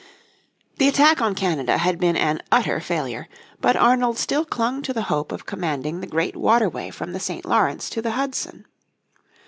The attack on Canada had been an utter failure, but Arnold still clung to the hope of commanding the great waterway from the St. Lawrence to the Hudson.